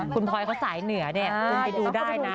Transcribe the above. คุณพลอยเขาสายเหนือเนี่ยคุณไปดูได้นะ